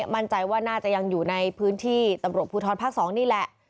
มั่นใจว่าน่าจะยังอยู่ในพื้นที่ตำรวจภูทรภาค๒นี่แหละ